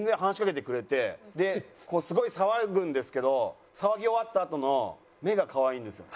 すごい騒ぐんですけど騒ぎ終わったあとの目が可愛いんですよ。